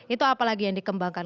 itu apalagi yang dikembangkan